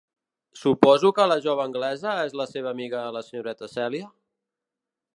Suposo que la jove anglesa és la seva amiga la senyoreta Celia?